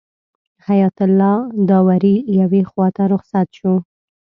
حیات الله داوري یوې خواته رخصت شو.